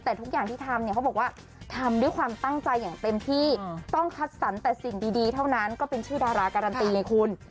แต่ทุกอย่างที่ทำเนี่ยเขาบอกว่าทำด้วยความตั้งใจอย่างเต็มที่ต้องคัดสรรแต่สิ่งดีเท่านั้นก็เป็นชื่อดาราการันตีไงคุณ